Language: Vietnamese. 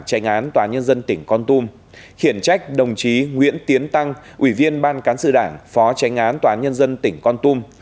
tránh án tòa nhân dân tỉnh con tum khiển trách đồng chí nguyễn tiến tăng ủy viên ban cán sự đảng phó tránh án tòa án nhân dân tỉnh con tum